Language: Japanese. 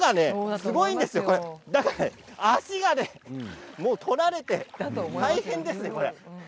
すごいんですよだから足が取られて大変ですね。